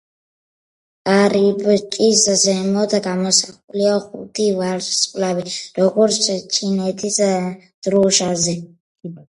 კარიბჭის ზემოთ გამოსახულია ხუთი ვარსკვლავი, როგორც ჩინეთის დროშაზე.